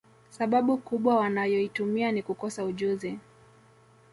Sababu kubwa wanayoitumia ni kukosa ujuzi